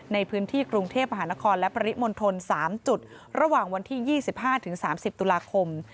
ในพื้นที่กรุงเทพมหานครและปริมณฑล๓จุดระหว่างวันที่๒๕๓๐ตุลาคม